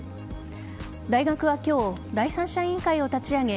大学は今日第三者委員会を立ち上げ